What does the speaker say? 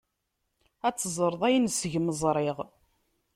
Ad teẓreḍ ayen seg-m ẓriɣ.